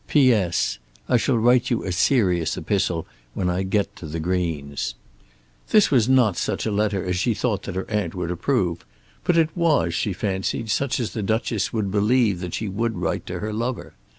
I shall write you such a serious epistle when I get to the Greens. This was not such a letter as she thought that her aunt would approve; but it was, she fancied, such as the Duchess would believe that she would write to her lover.